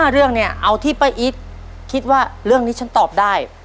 เรื่องเนี่ยเอาที่ป้าอีทคิดว่าเรื่องนี้ฉันตอบได้